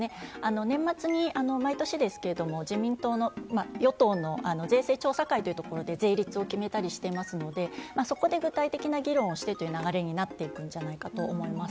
年末に毎年ですけれども、自民党の、与党の税制調査会というところで税率を決めたりしていますので、そこで具体的な議論をしてという流れになっていくんじゃないかなと思います。